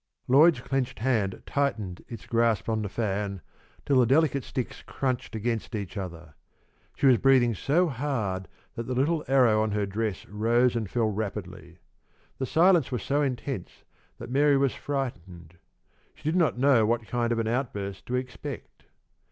Lloyd's clenched hand tightened its grasp on the fan till the delicate sticks crunched against each other. She was breathing so hard that the little arrow on her dress rose and fell rapidly. The silence was so intense that Mary was frightened. She did not know what kind of an outburst to expect.